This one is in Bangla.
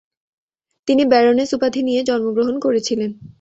তিনি ব্যারোনেস উপাধি নিয়ে জন্মগ্রহণ করেছিলেন।